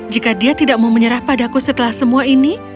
jika dia tidak mau menyerah padaku setelah semua ini